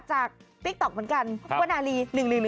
ติ๊กต๊อกเหมือนกันวนาลี๑๑๑